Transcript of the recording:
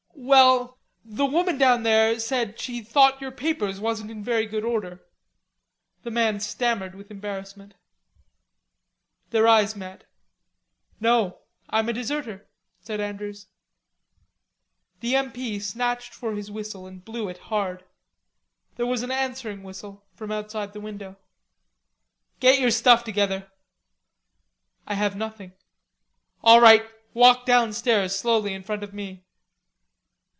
"Well, the woman down there said she thought your papers wasn't in very good order." The man stammered with embarrassment. Their eyes met. "No, I'm a deserter," said Andrews. The M. P. snatched for his whistle and blew it hard. There was an answering whistle from outside the window. "Get your stuff together." "I have nothing." "All right, walk downstairs slowly in front of me."